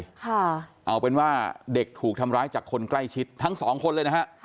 ค่ะเอาเป็นว่าเด็กถูกทำร้ายจากคนใกล้ชิดทั้งสองคนเลยนะฮะค่ะ